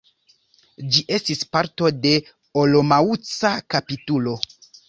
Ĝi estis parto de olomouca kapitulo.